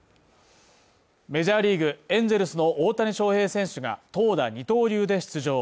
メジャーリーグ・エンゼルスの大谷翔平選手が投打二刀流で出場。